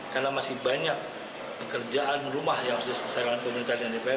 karena masih banyak pekerjaan rumah yang sudah selesai dengan pemerintah dpr